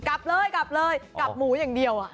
กลับเลยกลับหมูอย่างเดียว